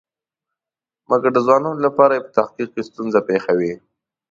مګر د ځوانانو لپاره په تحقیق کې ستونزه پېښوي.